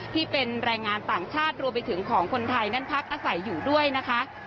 ที่เป็นแรงงานต่างชาติรวมไปถึงของคนไทยนั้นพักอาศัยอยู่ด้วยนะคะ